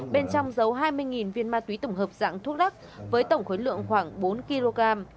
bên trong giấu hai mươi viên ma túy tổng hợp dạng thuốc lắc với tổng khối lượng khoảng bốn kg